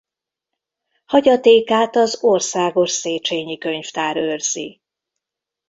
Hagyatékát az Országos Széchényi Könyvtár őrzi.